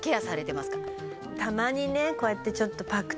たまにこうやってちょっと。